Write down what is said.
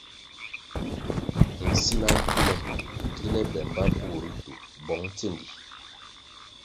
Nsina mpule kile be mbpa bur ritu bong tsendi.